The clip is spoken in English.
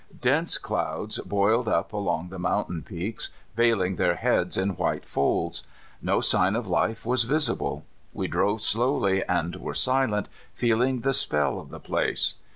Dense clouds boiled up along the mountain peaks, veiling their heads in white folds. No sign of life was visible. We drove slowly, and were silent, feeling the spell of the place.